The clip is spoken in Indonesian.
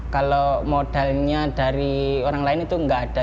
kalau modalnya dari orang lain itu nggak ada